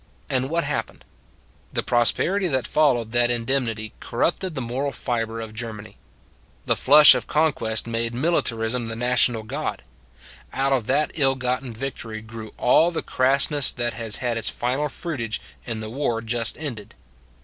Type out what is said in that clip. And what happened? The prosperity that followed that in demnity corrupted the moral fiber of Ger many. The flush of conquest made mili tarism the national god. Out of that ill gotten victory grew all the crassness that has had its final fruitage in the war just ended.